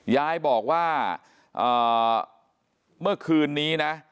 ยายบอกว่าเมื่อคืนนี้นะ